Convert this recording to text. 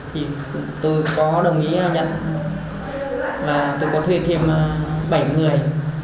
thì tôi có đồng ý nhận là tôi có thuê thêm bảy người